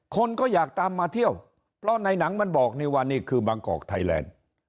คนก็อยากตามมาเที่ยวเพราะในหนังมันบอกนี่ว่านี่คือบางกอกไทยแลนด์